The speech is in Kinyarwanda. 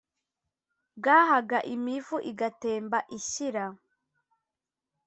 bwahaga, imivu igatemba ishyira